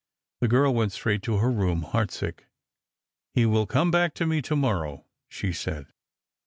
The girl went straight to her room, heart sick. " He will come back to me to morrow," she said.